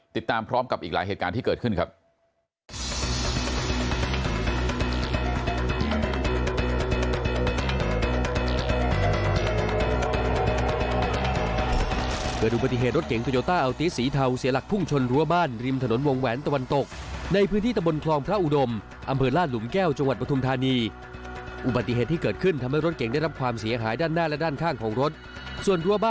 ติดตามพร้อมกับอีกหลายเหตุการณ์ที่เกิดขึ้นครับ